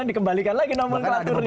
yang dikembalikan lagi nomenklaturnya